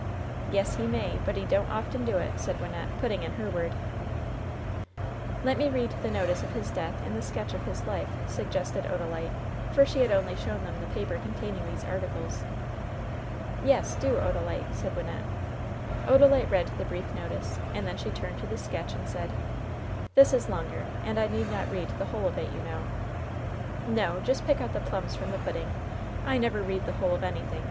\ "Yes, he may, but he don't often do it," said Wyn nette, putting in her word. LOVE'S BITTEREST CUP 48 ^TLet me read the notice of his death and the sketch of his life/' suggested Odalite, for she had cmly shown them the paper containing these articles. "Yes, do, Odalite/' said Wynnette. Odalite read the brief notice, and then she turned to the sketch and said: "This is longer, and I need not read the whole of it, you know/' "No, Just pick out the plums from the pudding. I never read the whole of anything.